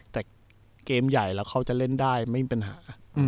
แต่เกมใหญ่แล้วเขาจะเล่นได้ไม่มีปัญหา